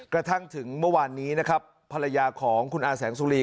กระทั่งถึงเมื่อวานนี้ภรรยาของคุณอาศัยแสงสุริ